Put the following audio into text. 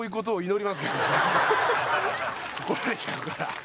怒られちゃうから。